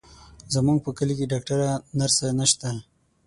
زموږ په کلي کې ډاکتره، نرسه نشته،